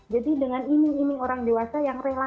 jadi dengan iming iming orang dewasa yang rela